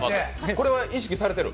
これは意識されてる？